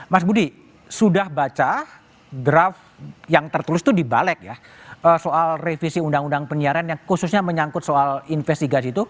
mas budi sudah baca draft yang tertulis itu dibalik ya soal revisi undang undang penyiaran yang khususnya menyangkut soal investigasi itu